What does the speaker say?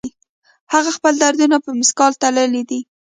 هغه خپل دردونه په مثقال تللي دي